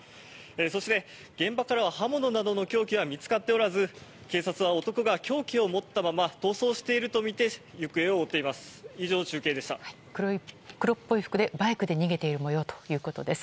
そして、現場からは刃物などの凶器は見つかっておらず警察は男が凶器を持ったまま逃走しているとみて行方を追っています。